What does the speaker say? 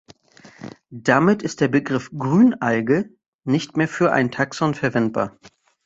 Damit ist der Begriff Grünalge nicht mehr für ein Taxon verwendbar.